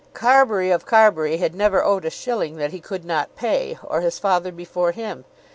Carbury of Carbury had never owed a shilling that he could not pay, or his father before him.